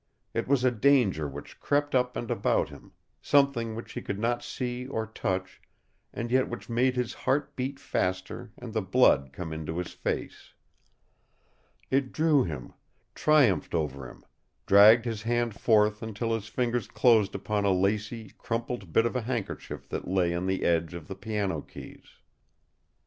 It was a danger which crept up and about him, something which he could not see or touch and yet which made his heart beat faster and the blood come into his face. It drew him, triumphed over him, dragged his hand forth until his fingers closed upon a lacy, crumpled bit of a handkerchief that lay on the edge of the piano keys.